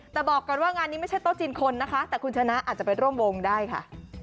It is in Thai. แต่บอกกันว่างานนี้ไม่ใช่โต๊ะจีนคนนะคะแต่คุณชนะอาจจะไปร่วมวงได้ค่ะ